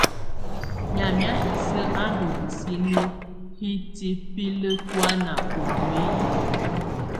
Yamɛ̀á isǝ́ á ndù hisini hitibilǝ tɔ̀ána ù nuiyi.